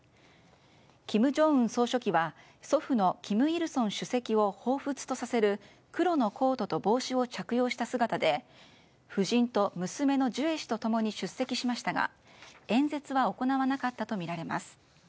金正恩総書記は祖父の金日成主席を彷彿とさせる黒のコートと帽子を着用した姿で夫人と娘のジュエ氏と共に出席しましたが演説は行わなかったとみられます。